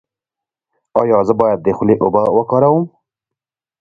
ایا زه باید د خولې اوبه وکاروم؟